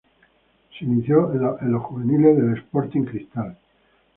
Se inició en los juveniles de Sporting Cristal.